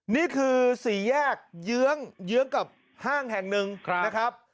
นี่คือสี่แยกเยื้องเยื้องกับห้างแห่งหนึ่งนะครับ